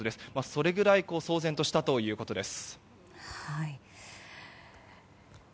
それぐらい騒然としたということです。